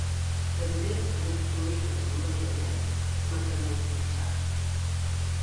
També en ofiolites amb manganès metamorfitzades.